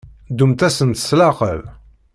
Ddumt-asent s leɛqel.